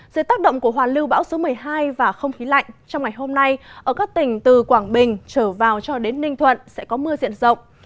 dưới tác động của hoàn lưu bão số một mươi hai và không khí lạnh trong ngày hôm nay ở các tỉnh từ quảng bình trở vào cho đến ninh thuận sẽ có mưa diện rộng